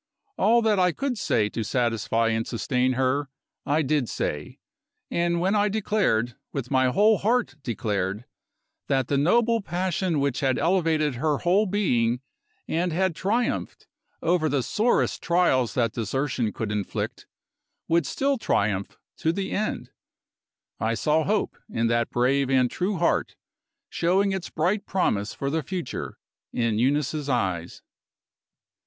All that I could say to satisfy and sustain her, I did say. And when I declared with my whole heart declared that the noble passion which had elevated her whole being, and had triumphed over the sorest trials that desertion could inflict, would still triumph to the end, I saw hope, in that brave and true heart, showing its bright promise for the future in Eunice's eyes.